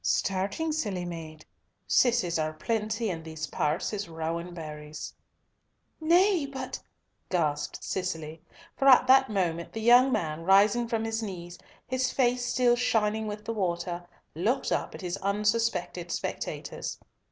starting, silly maid? Cisses are plenty in these parts as rowan berries." "Nay, but—" gasped Cicely, for at that moment the young man, rising from his knees, his face still shining with the water, looked up at his unsuspected spectators.